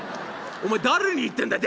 「お前誰に言ってんだい」。